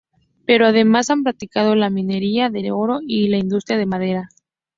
Pero además, han practicado la Minería del Oro y la industria de la Madera.